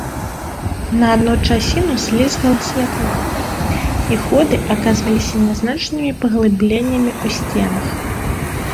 На адну часіну слізгала святло, і ходы аказваліся нязначнымі паглыбленнямі ў сценах.